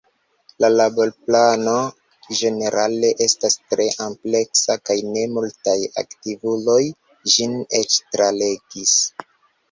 La laborplano ĝenerale estas tre ampleksa, kaj ne multaj aktivuloj ĝin eĉ tralegis.